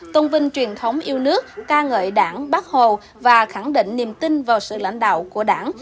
tôn vinh truyền thống yêu nước ca ngợi đảng bác hồ và khẳng định niềm tin vào sự lãnh đạo của đảng